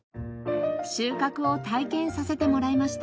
収穫を体験させてもらいました。